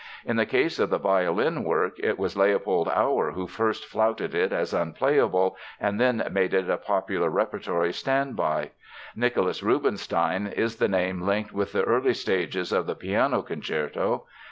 In the case of the violin work, it was Leopold Auer who first flouted it as unplayable, and then made it a popular repertory standby. Nicholas Rubinstein is the name linked with the early stages of the piano concerto.